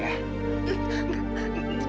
sampai jumpa lagi